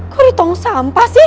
kok di tong sampah sih